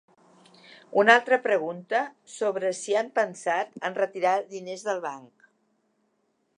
Una altra pregunta, sobre si han pensat en retirar diners del banc.